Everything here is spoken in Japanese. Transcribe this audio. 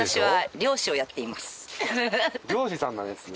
漁師さんなんですね。